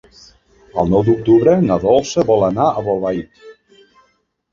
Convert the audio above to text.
El nou d'octubre na Dolça vol anar a Bolbait.